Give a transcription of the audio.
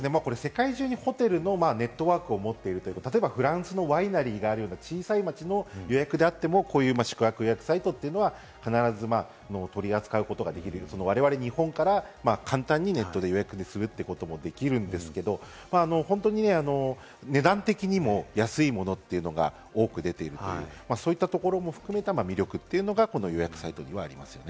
世界中にホテルのネットワークを持っていること、例えばフランスのワイナリーがあるような小さな町の予約であっても、こういう宿泊予約サイトは必ず取り扱うことができる、我々、日本から簡単にネットで予約することもできるんですけれども、本当に値段的にも安いものというのが多く出ているという、そういったところも含めた魅力がこの予約サイトにはありますね。